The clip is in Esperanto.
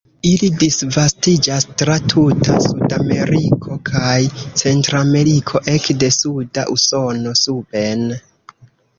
Ili disvastiĝas tra tuta Sudameriko kaj Centrameriko ekde suda Usono suben.